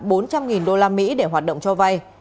bốn trăm linh usd để hoạt động cho vay